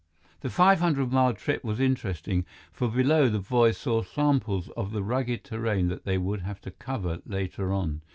The five hundred mile trip was interesting, for below, the boys saw samples of the rugged terrain that they would have to cover later on.